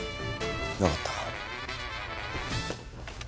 分かった。